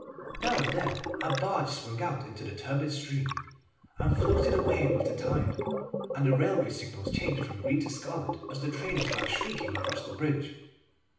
Now and then a barge swung out into the turbid stream, and floated away with the tide, and the railway signals changed from green to scarlet as the trains ran shrieking across the bridge.